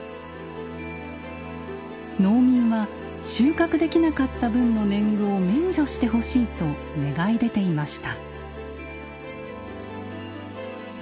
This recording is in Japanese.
農民は収穫できなかった分の年貢を免除してほしいと願い出ていました。